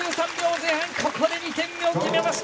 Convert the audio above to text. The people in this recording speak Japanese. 前半のここで２点目を決めました。